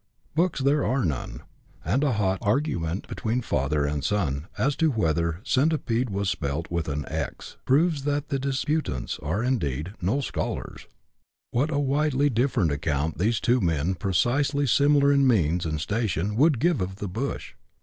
Books there are none ; and a hot argument between father and son, as to whether centipede was spelt with an x ! proves that the disputants are, indeed, " no scholars." "What a widely different account these two men, precisely similar in means and station, would give of the bush